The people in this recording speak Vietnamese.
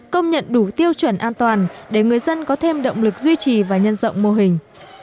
công nhận đủ tiêu chuẩn an toàn để người dân có thêm động lực duy trì và nhân rộng mô hình